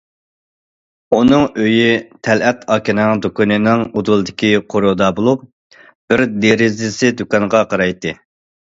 ئۇنىڭ ئۆيى تەلئەت ئاكىنىڭ دۇكىنىنىڭ ئۇدۇلىدىكى قورۇدا بولۇپ، بىر دېرىزىسى دۇكانغا قارايتتى.